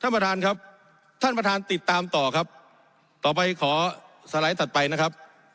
ท่านประธานครับท่านประธานติดตามต่อครับต่อไปขอสไลด์ถัดไปนะครับ